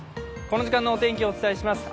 この時間のお天気をお伝えします。